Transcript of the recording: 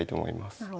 なるほど。